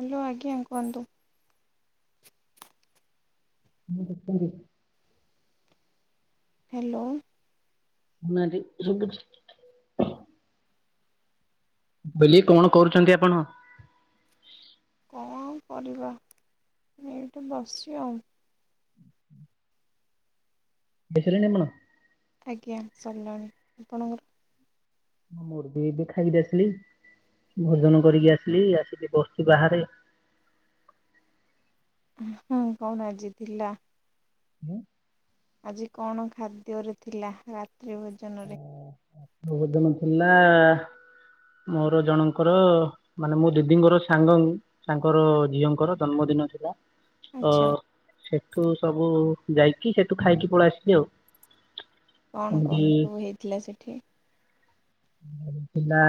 Hello ଆଜ୍ଞା କୁହନ୍ତୁ? ମୁଁ ଦଖି [unintelligible] ହ୍ୟାଲୋ। ମାରେ ଶୁଭୁଛି। ବୋଲି କଣ୍ କରୁଚନ୍ତି ଆପଣ? କଣଆଉ କରିବା ମୁଁ ଏଇଠି ବସିଚି ଆଉ। ବିସେଇଲେଣି ଆପଣ? ଆଜ୍ଞା ସରିଲାଣି ଆପଣଙ୍କର? ମୋର୍ ବି ଏବେ ଖାଇକି ଆସିଲି ଭୋଜନ କରିକି ଆସିଲି ଆସିକି ବସିଛି ବାହାରେ ହୁଁ କଣ ଆଜି ଥିଲା? ହୁଁ। ଆଜି କଣ ଖାଦ୍ୟରେ ଥିଲା ରାତ୍ରି ଭୋ ଜନରେ? ଭୋଜନ ଥିଲା ମୋର ଜଣଙ୍କର ମାନେ ମୋ ଦିଦିଙ୍କର ସାଙ୍ଗଙ୍କ ତାଙ୍କର ର ଝିଅଙ୍କର ଜନ୍ମଦିନ ଥିଲା ତ ଆଚ୍ଛା ସେଠୁ ସବୁ ଯାଇକି ସେଠୁ ଖାଇକି ପଳେଇ ଆସିଲି ଆଉ। କଣ ଏମିତି କଣ ସବୁ ହେଇଥିଲା ସେଠି? ହେଇ ଥିଲା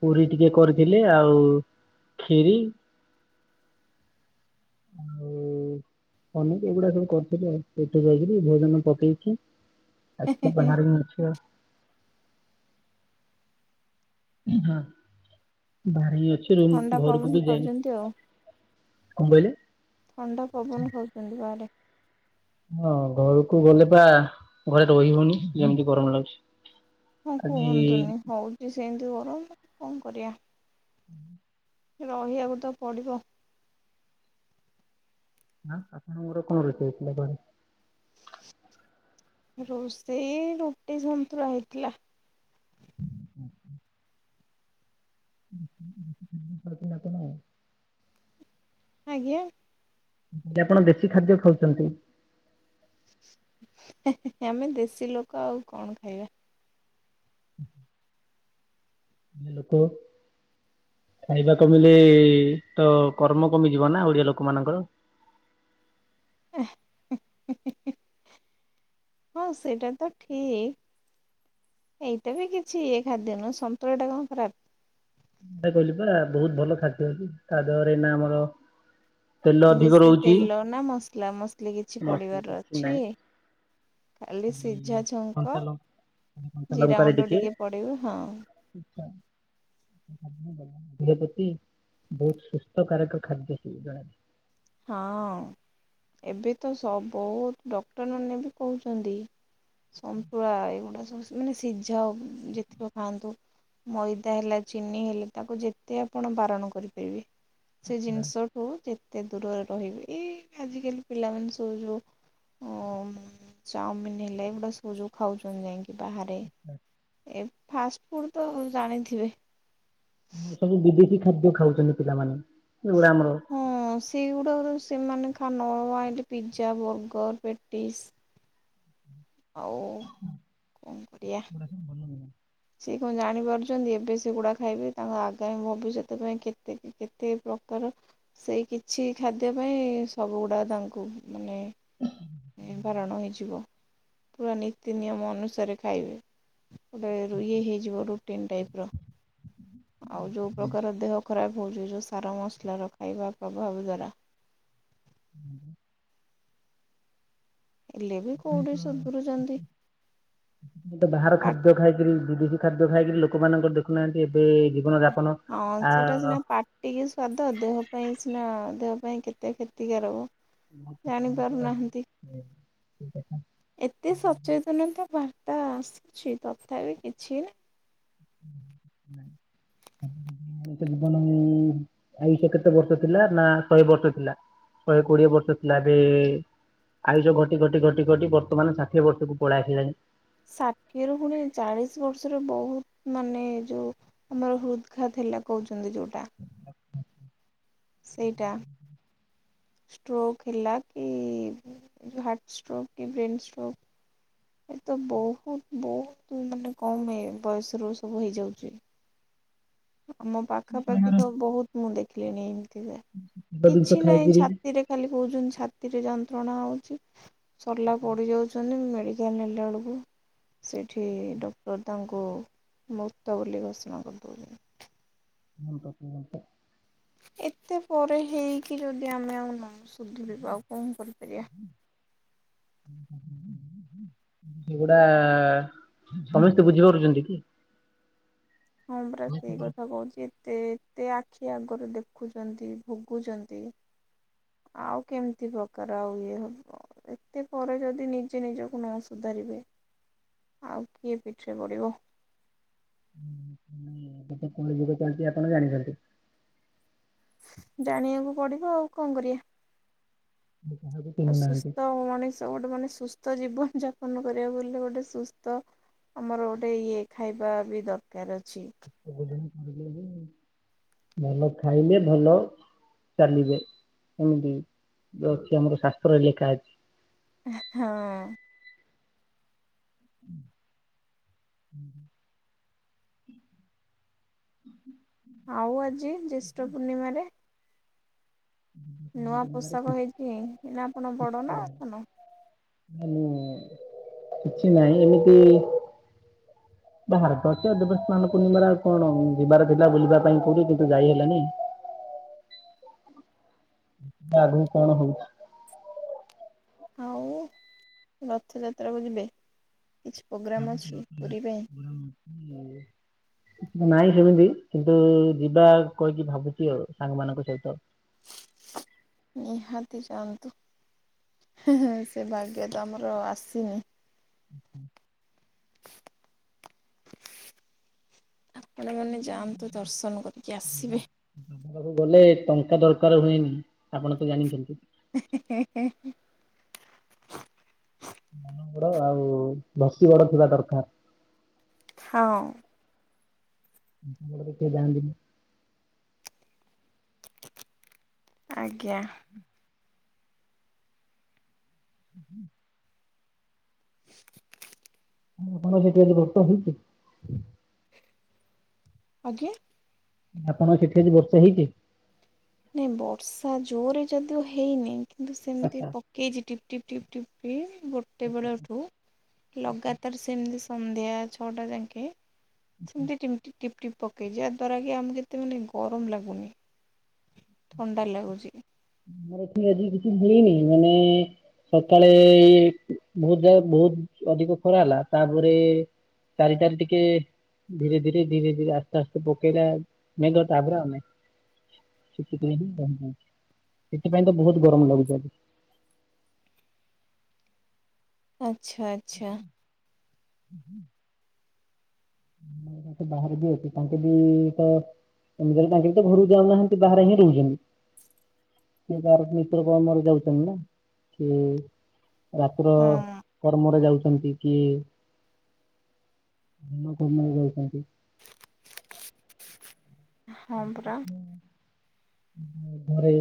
ପୁରୀ ଟିକେ କରିଥିଲେ ଆଉ ଖିରି। ଆଉ ଅନେକ ଏଗୁଡା ସବୁ କରିୁଥିଲେ ଆଉ ସେଠୁ ଯାଇକିରି ଭୋଜନ ପକେଇକି। ଆସିକି ବାହାରେ ମୁଁ ଅଛି ଆଉ। ଏ ହାଁ ବାହାରେ ହିଁ ଅଛି ରୁମ୍ ଥଣ୍ଡା ପବନ ଘରକୁ ବି ଯାଇନି। ଖାଉଛନ୍ତି ଆଉ କଣ କହିଲେ? ଥଣ୍ଡା ପବନ ଖାଉଚନ୍ତି ବାହାରେ? ହଁ ଘରକୁ ଗଲେ ପା ଘରେ ରହି ହଉନି ଯେମିତି ଗରମ ଲାଗୁଚି। ହଁ କୁହନ୍ତୁନି ହଉଚି ସେମିତି ଗରମ କଣ କରିଆ। ଉଁ। ରହିବାକୁ ତ ପଡ଼ିବ। ଆ ଆପଣଙ୍କର କଣ ରୋଷେଇ ହେଇଥିଲା ଘରେ? ରୋଷେଇ ରୁଟି ସନ୍ତୁଳା ହେଇଥିଲା। ଉଁ ହୁଁ। [unintelligible] ଆଜ୍ଞା? ଯେ ଆପଣ ଦେଶୀ ଖାଦ୍ୟ ଖାଉଚନ୍ତି? ହେ ହେ ହେ ଆମେ ଦେଶୀ ଲୋକ ଆଉ କଣ ଖାଇବା। ଏ ଲୋକ ଖାଇବା କମିଲେ ତ କର୍ମ କମିଯିବ ନା ଓଡିଆ ଲୋକ ମାନଙ୍କର। ହଁ ସେଟା ତ ଠିକ୍। ଏଇଟା ବି କିଛି ଇଏ ଖାଦ୍ୟ ନୁହଁ ସନ୍ତୁଳା ଟା କଣ ଖରାପ୍? ଏ କହିଲି ପରା ବହୁତ ଭଲ ଖାଦ୍ୟ ହେଇଛି ତା ଦେହରେ ନା ଆମର ତେଲ ଅଧିକ ବେଶୀ ରହୁଛି ତେଲ ନା ମସଲା ମସଲି କିଛି ମସଲା ପଡିବାର କିଛି ଅଛି। ନାହିଁ ଖାଲି ସିଝା ଝୁଙ୍କ। କଞ୍ଚା ଲଙ୍କା କଞ୍ଚା ଲଙ୍କାରେ ଜିରାଗୁଣ୍ଡ ଟିକେ ପଡିବ ହଁ। [unintelligible] ଦେହ ପ୍ରତି ବହୁତ ସୁସ୍ଥକାରକ ଖାଦ୍ୟ ସେ ଜଣାଏ। ହଁ। ଏବେ ତ ସ ବହୁତ ଡକ୍ଟରମାନେ ବି କହୁଚନ୍ତି ସନ୍ତୁଳା ଏଗୁଡା ସବୁ ମାନେ ସିଝା ଉଁ ଯେତିିକ ଖାଆନ୍ତୁ। ମଇଦା ହେଲା ଚିନି ହେଲା ତାକୁ ଯେତେ ଆପଣ ବାରଣ କରିପାରିବେ ସେ ଜଣାଯାଏ ଜିନିଷ ହଉ ଯେତେ ଦୂରରେ ରହିବେ ଏଇ ଆଜିକାଲି ପିଲାମାନେ ସବୁ ଯୋଉ ଓ-ମ-ମ୍ ଚାଉମିନ୍ ହେଲେ, ଏଗୁଡା ସୁଯଉ ଖାଉଛନି ଯାଇକି ବାହାରେ, ଏ ଫାଷ୍ଟ ଫୁଡ ତ ଜାଣିଥିବେ? ର ସବୁ ବିଦେଶୀ ଖାଦ୍ୟ ଖାଉଛନ୍ତି ପିଲାମାନେ, ଏଉଡା ଆମର ଏଗୁଡା ହଁ, ସେଇଗୁଡ଼ାକରୁ ସେମାନେ ଖାନ ଆଇଁଲି ପିଜା, ବର୍ଗର, ପେଟିସ୍ ଆଉ କଣ କରିଆ? ସବୁ ଭଲ ନୁହେଁ ସେ କଣ ଜାଣିପାରୁଛନ୍ତି? ଏବେ ସେଗୁଡା ଖାଇବେ, ତାଙ୍କ ଆଗାମୀ ଭବିଷ୍ୟତ ପାଇଁ କେତେ କେ କେତ୍ ଏତେ ପ୍ରକାର ସେଇ କିଛି ଖାଦ୍ୟ ପାଇଁ, ସବୁଗୁଡା ତାଙ୍କୁ ମାନେ ନିର୍ଭାରଣ ହେଇଯିବ। ପୁରା ନୀତି ନିୟମ ଅନୁସାରେ ଖାଇବେ। ଗୋଟେ ରୁଇଏ ହେଇଯିବ ରୁଟିନ୍ ଟାଇପ୍ ର। ଆଉ ଯଉ ପ୍ରକାର ଦେହ ଖରାପ ହଉଛି, ଯଉ ସାର ମସଲାର ଖାଇବା ପ୍ରଭାବ ଦ୍ବାରା। ଉହୁଁ। ହେଲେ ବି କୋଉଠି ସୁଧୁରୁଚନ୍ତି। ଏତ ବାହାର ଖାଦ୍ୟ ଖାଇକିରି, ବିଦେଶୀ ଖାଦ୍ୟ ଖାଇକିରି ଲୋକମାନଙ୍କର ଦେଖୁନାହାଁନ୍ତି, ଏବେ ଜୀବନ ଯାପନ ହଁ, ଆ ସେଇଟା ସିନା ପାଟିକି ସ୍ଵାଦ। ଦେହ ପାଇଁ ସିନା ଦେହ ପାଇଁ କେତେ କ୍ଷତିକାରକ। ଜାଣି ପାରୁନାହାନ୍ତି [inaudible] ଏତେ ସଚେତନତା ବାର୍ତ୍ତା ଆସୁଛି, ତଥାପି କିଛି ନା! [inaudible] [inaudible] ଜୀବନ ଯେ ଆୟୁଷ କେତେ ବର୍ଷ ଥିଲା ନା, ଶହେ ବର୍ଷ ଥିଲା? ଶହେ କୋଡିଏ ବର୍ଷ ଥିଲା। ଏବେ ଆୟୁଷ ଘଟି ଘଟି ଘଟି ଘଟି ବର୍ତମାନ, ଷାଠିଏ ବର୍ଷକୁ ପଳେଇ ଆସିଲାଣି। ଷାଠିଏ ରୁ ଫୁଣି ଚାଳିଶ ବର୍ଷରେ ବହୁତ, ମାନେ ଯୋଉ ଆମର ହୃଦ୍ଘାତ ହେଲା କହୁଛନ୍ତି, ଯୋଉଟା। ସେଇଟା। ଷ୍ଟ୍ରୋକ୍ ହେଲା କି, ଯଉ ହାର୍ଟ ଷ୍ଟ୍ରୋକ୍, କି ବ୍ରେନ୍ ଷ୍ଟ୍ରୋକ୍ ଏ ତ ବହୁତ ବହୁତ ମାନେ କମ ଇଏ ବୟସ ର ସବୁ ହେଇଯାଉଛି। ଆମ ପାଖାପାଖି ବାହାର ତ ବହୁତ ମୁଁ ଦେଖିଲିଣି, ଏମିତିଯେ, ଭଲ ଜିନିଷ କିଛି ନାହିଁ ଖାଇକିରି ଛାତିରେ ଖାଲି କହୁଛନ୍ତି ଛାତିରେ ଯନ୍ତ୍ରଣା ହଉଛି, ସର୍ଲା ପଡ଼ିଯାଉଛନ୍ତି ମେଡି ଏୟା ନେଲା ଅଳକୁୁ ସେଠି ଡକ୍ଟର ତାଙ୍କୁ ମୃତ ବୋଲି ଘୋଷଣା କରିଦଉଲେ। ହୁଁ [unintelligible] ଏତେ ପରେ ହେଇକି, ଯଦି ଆମେ ଆଉ ନ ସୁଧୁରିବା, ଆଉ କଣ କରିପାରିବା? ହୁଁ [inaudible] ସେଗୁଡା-ଆ ସମସ୍ତେ ବୁଝିପାରୁଛନ୍ତି କି? ହଁ, ପରା ସେଇ କଥା କହୁଛି। ତତେ ଆଖି ଆଗରୁ ଦେଖୁଛନ୍ତି, ଭୋଗୁଛନ୍ତି ଆଉ କେମିତି ପ୍ରକାର ଆଉ, ଇଏ ହବ? ଏତେ ପରେ ଯଦି ନିଜେ ନିଜକୁ ନ ସୁଧାରିବେ! ଆଉ କିଏ ପିଠିରେ ପଡ଼ିବ? ହୁଁ ହୁଁ କେତେ କଳି ଯୁଗ ଚାଲିଛି, ଆପଣ ଜାଣିଛନ୍ତି? ଜାଣିବାକୁ ପଡିବ, ଆଉ କଣ କରିଆ? କାହାକୁ ଆଉ ଚିହ୍ନୁ ନାହାନ୍ତି। ସୁସ୍ଥ ମଣିଷ ଗୋଟେ ମାନେ ସୁସ୍ଥ ଜୀବନ ଯାପନ କରିବାକୁ ଗଲେ, ଗୋଟେ ସୁସ୍ଥ ଆମର ଗୋଟେ ଇଏ ଖାଇବା ବି ଦରକାର ଅଛି। [unintelligible] ଭଲ ଖାଇଲେ ଭଲ। ଚାଲିବେ। ଏମିତି ଯୋଉ ଅଛି ଆମର ଶାସ୍ତ୍ରରେ, ଲେଖା ଅଛି। ହଁ। ହୁଁ। ହୁଁ। ଆଉ ଆଜି ଜ୍ୟେଷ୍ଠ ପୂର୍ଣ୍ଣିମାରେ ନୂଆ ପୋଷାକ ହେଇଛି, ନା ଆପଣ ବଡ ନା ଆ ସାନ। ମାନେ, କିଛି ନାହିଁ, ଏମିତି [inaudible] ବାହାର, ଗତ ଦେବସ୍ନାନ ପୂର୍ଣ୍ଣିମାରେ ଆଉ କଣ ଯିବାର ଥିଲା ବୁଲିବା ପାଇଁ କୋଉଠି କିନ୍ତୁ ଯାଇ ହେଲାନି। ଇ ଇଆ ଆଗକୁ କଣ ହଉଚି। ଆଉ ରଥଯାତ୍ରାକୁ ଯିବେ, କିଛି ପ୍ରୋଗ୍ରାମ୍ ଭାବୁଛି ଅଛି ପୁରୀ ପାଇଁ। ରଥଯାତ୍ରା [inaudible] ନାଇଁ ସେମିତି କିନ୍ତୁ ଯିବା କହିକି ଭାବୁଛି ଆଉ, ସାଙ୍ଗ ମାନଙ୍କ ସହିତ। ନିହାତି ଯାଆନ୍ତୁ, ହେଁ ହେଁ, ସେ ଭାଗ୍ୟ ତ ଆମର ଆସିନି। ଉଁ ହୁଁ। ଆପଣମାନେ ଯାଆନ୍ତୁ, ଦର୍ଶନ କରିକି ଆସିବେ। ଜଗା ପାଖକୁ ଗଲେ, ଟଙ୍କା ଦରକାର ହୁଏନି, ଆପଣ ତ ଜାଣିଚନ୍ତି। ଏଁ ହେଁ ହେଁ ହେ। ମନ ବଡ ଆଉ [unintelligible] ହଁ। [unintelligible] ଆଜ୍ଞା। ହୁଁ ହୁଁ। [unintelligible] [unintelligible] ହେଇଚି। ଆଜ୍ଞା। ଆପଣଙ୍କ ସେଠି ଆଜି ବର୍ଷା ହେଇଚି? ନାଇଁ ବର୍ଷା ଜୋରରେ ଯଦିଓ ହେଇନି କିନ୍ତୁ ସେମିତି ଆଚ୍ଛା। ପ କେଇଚି, ଟିପ୍ ଟିପ ଟିପ୍ ଟିପି ଗୋଟେ ବେଳଠୁ। ଲଗାତାର ସେମିତି ସନ୍ଧ୍ୟା ଛଅଟା ଯାଙ୍କେ। ସେମତି ଟିପ୍ ଟିପ୍ ଟିପ ପକେଇଚି, ଯାହା ଦ୍ୱାରା କି ଆମକୁ ଏତେ ମାନେ ଗରମ ଲାଗୁନି। ଥଣ୍ଡା ଲାଗୁଚି। ଆମର ଏଠି ଆଜି କିଛି ମିଳିନି, ମାନେ ସକାଳେ ବହୁତ ଯ, ବହୁତ ଅଧିକ ଖରା ହେଲା, ତାପରେ ଚାରିଟାରେ ଟିକେ ଧୀରେ ଧୀରେ ଧୀରେ ଧୀରେ ଆସ୍ତେ ଆସ୍ତେ ପକେଇଲା ମେଘ, ତାପରେ ଆ [unintelligible] ସେଥିପାଇଁ ତ, ବହୁତ ଗରମ ଲାଗୁଚି ଆଜି। ଆଛା ଆଛା। ହୁ ହୁଁ। [unintelligible] ବାହାରେ ବି ଅଛି, ତାଙ୍କେ ବି ତ ଏମିତିରେ ତାଙ୍କକି ତ ଘରୁକୁ ଯାଉନାହାନ୍ତି, ବାହାରେ ହିଁ ରହୁଚନ୍ତି। କିଏ ତାର ନିତ୍ୟ କର୍ମରେ ଯାଉଛନ୍ତି ନା, କିଏ ରାତ୍ର, ହଁ କର୍ମରେ ଯାଉଛନ୍ତି କିଏ? ସବୁ ନେଇ ଯାଉଚନ୍ତି। ହଁ ପରା। ହଁ, ଘରେ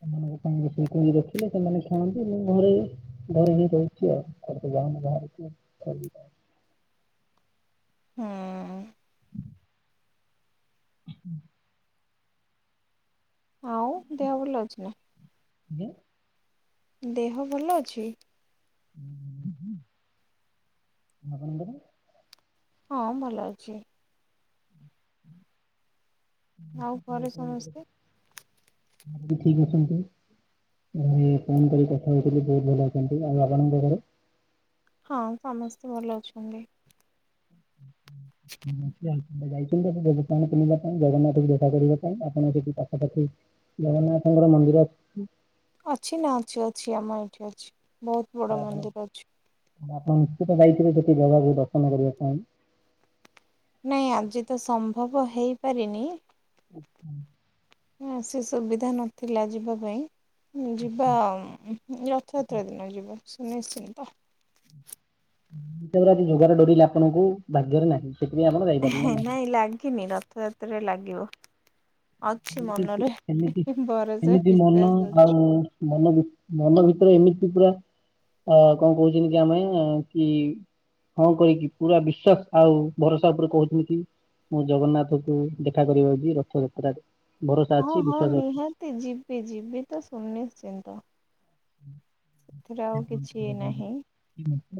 ସେମାନଙ୍କ ପାଇଁ ରୋଷେଇ କରିକି ରଖିଲେ ସେମାନେ ଖାଆନ୍ତି, ମୁଁ ଘରେ ଘରେ ବିି ରହିଛି ଆଉ, କୁଆଡ଼େ ତ ଯାଉନି ବାହାରକୁ ଖାଲି ହୁଁ-ଉଁ-ଉଁ-ଉଁ। ହଁ ଆଉ ଦେହ ଭଲ ଅଛି ନା? ହ୍ୟାଲୋ। ଦେହ ଭଲ ଅଛି? ହୁଁ ହୁଁ, ଆପଣଙ୍କର? ହଁ ଭଲ ଅଛି। ଆଉ ଘରେ ଆପଣଙ୍କର ସମସ୍ତେ? ଘରେ ଠିକ୍ ଅଛନ୍ତି। ମୁ ଫୋନ୍ କରି କଥା ହଉଥିଲି ବହୁତ ଭଲ ଅଛନ୍ତି ଆଉ ଆପଣଙ୍କ ଘରେ? ହଁ ସମସ୍ତେ ଭଲ ଅଛନ୍ତି। [unintelligible] ଏବେ ଯାଇଛନ୍ତି [inaudible] ଦୋକାନକୁ କିଣିବା ପାଇଁ ଜଗନ୍ନାଥଙ୍କୁ ଦେଖା କରିବା ପାଇଁ ଆପଣ ସେଠି ପାଖାପାଖି ଜଗନ୍ନାଥଙ୍କର ମନ୍ଦିର ଅଛି ନା ଅଛି-ଅଛି ଆମ ଏଠି ଅଛି ବହୁତ ବଡ ମନ୍ଦିର ଅଛି। ତେଣୁ ଆପଣ ନିଶ୍ଚିତ ଯାଇଥିବେ ସେଠି ଜଗାକୁ ଦର୍ଶନ କରିବା ପାଇଁ। ନାଇଁ ଆଜି ତ ସମ୍ଭବ ହେଇପାରିନି। ଆଚ୍ଛା। ହଁ ସେ ସୁବିଧା ନଥିଲା ଯିବା ପାଇଁ। ଯିବା ଆଉ ଉଁହୁଁହୁଁ ରଥଯାତ୍ରା ଦିନ ଯିବା ସୁନିଶ୍ଚିନ୍ତ। ଈଶ୍ୱର ଆଜି ଯୋଗାଡ଼ କରିଲେ ଆପଣଙ୍କୁ ଭାଗ୍ୟରେ ନାହିଁ। ସେଥିପାଇଁ ଆପଣ ଯାଇ ହେ ନାଇଁ ଲାଗିନି ରଥଯାତ୍ରାରେ ଲାଗିବ। ଅଛି ଏମିତି କିଛି ମନରେ ଏମିତି ଭରସା ଏମିତି ମନ ବିଶ୍ୱାସ ଅଛି। ଆଉ ମନ ଭି ମନ ଭିତରେ ଏମିତି ପୁରା ଅ କଣ କହୁଛନ୍ତି ଯେ ଆମେ କି ହଁ କହିକି ପୁରା ବିଶ୍ଵାସ ଆଉ ଭରସା ଉପରେ କହୁଛନ୍ତି କି? ମୁଁ ଜଗନ୍ନାଥଙ୍କୁ ଦେଖା କରିବାକୁ ଯିବି ରଥଯାତ୍ରାରେ। ଭରସା ହଁ ଅଛି ହଁ ବିଶ୍ଵାସ ଅଛି। ନିହାତି ଯିବି ଯିବି ତ ସୁନିିଶ୍ଚିନ୍ତ। ସେଥିରେ ସେ ଆଉ ଆପଣଙ୍କୁ କିଛି ଜଗା ଦେବେ। ନାହିଁ।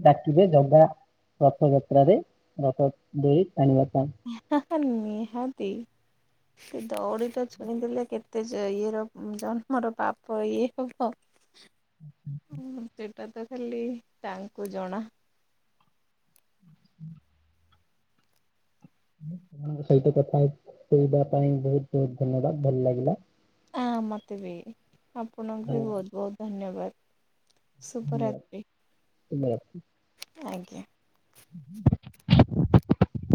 ଡାକିବେ ଜଗା ରଥଯାତ୍ରରେ ରଥ ଦେଇ ଟାଣିବା ପାଇଁ। ହେହେହେ ନିହାତି। ସେ ଦଉଡ଼ି ତ ଛୁଇଁ ଦେଲେ କେତେ ଯେ ଇଏର ଜନ୍ମର ପାପ ଇଏ ହବ। ସେଟା ତ ଖାଲି ତାଙ୍କୁ ଜଣା। ଉଁ ଆପଣଙ୍କ ସହିତ କଥା ହେ ହେଇବା ପାଇଁ ବହୁତ ବହୁତ ଧନ୍ୟବାଦ, ଭଲ ଲାଗିଲା। ହଁ ମତେ ବି, ଆପଣଙ୍କୁ ବି ବହୁତ ବହୁତ ଧନ୍ୟବାଦ। ଶୁଭ ରାତ୍ରି। ଶୁଭ ରାତ୍ରି। ଆଜ୍ଞା। [unintelligible]